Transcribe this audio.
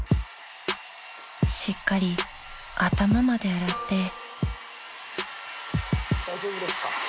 ［しっかり頭まで洗って］